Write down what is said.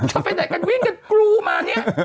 ไหนก็วิ่งกันกลูเนี่ย